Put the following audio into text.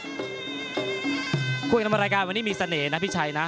ผู้ใช้งานมารายการวันนี้ปุ๊ยไช่มีเสน่ห์นะ